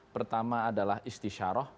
pertama adalah istisyaroh